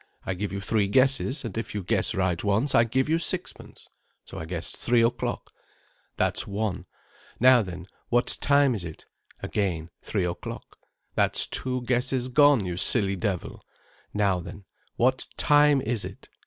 I give you three guesses, and if you guess right once I give you sixpence.' So I guessed three o'clock. 'That's one. Now then, what time is it? 'Again, three o'clock. 'That's two guesses gone, you silly devil. Now then, what time is it?